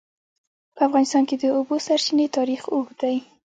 په افغانستان کې د د اوبو سرچینې تاریخ اوږد دی.